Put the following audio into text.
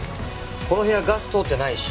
この部屋ガス通ってないし